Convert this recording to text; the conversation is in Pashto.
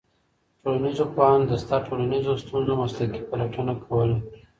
ټولنيزو پوهانو د سته ټولنيزو ستونزو مسلکي پلټنه کوله.